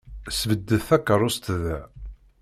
Sbeddet takeṛṛust da!